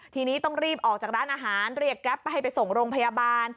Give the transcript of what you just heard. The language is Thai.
ทีนี้ต้องรีบออกจากร้านอาหารเรียกแกรปไปให้ไปส่งโรงพยาบาล